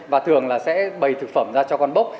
và thường là sẽ bày thực phẩm ra cho con bốc